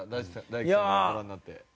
大毅さんもご覧になって。